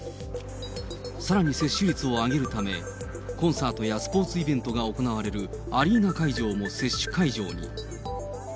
さらに接種率を上げるため、コンサートやスポーツイベントが行われるアリーナ会場も接種会場に。